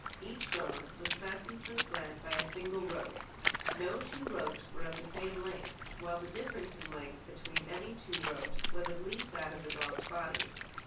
Each dog was fastened to the sled by a single rope. No two ropes were of the same length, while the difference in length between any two ropes was at least that of a dog's body.